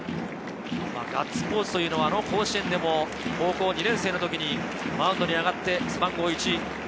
ガッツポーズというのは甲子園でも高校２年生の時にマウンドに上がって背番号１。